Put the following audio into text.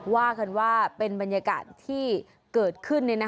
ว่ากันว่าเป็นบรรยากาศที่เกิดขึ้น